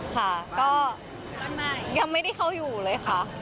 ค่ะก็ยังไม่ได้เข้าอยู่เลยค่ะ